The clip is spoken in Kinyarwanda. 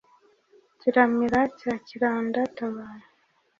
kiramira cya kiranda-tabaro